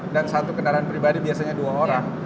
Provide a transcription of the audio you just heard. dan satu kendaraan pribadi biasanya dua orang